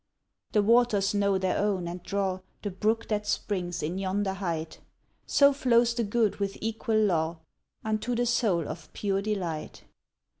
The waters know their own and draw The brook that springs in yonder height; So flows the good with equal law Unto the soul of pure delight.